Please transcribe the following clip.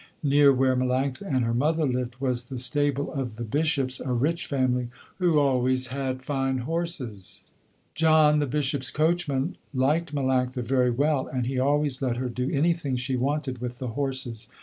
Near where Melanctha and her mother lived was the stable of the Bishops, a rich family who always had fine horses. John, the Bishops' coachman, liked Melanctha very well and he always let her do anything she wanted with the horses.